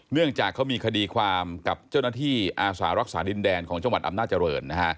เนื่องจากเขามีคดีความกับเจ้าหน้าที่อาสารักษาดินแดนของจังหวัดอำนาจริง